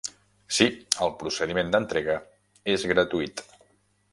Sí, el procediment d'entrega és gratuït.